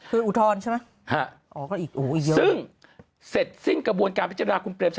คืออุทธรณ์ใช่ไหมซึ่งเสร็จสิ้นกระบวนการพิจารณาคุณเปรมชัย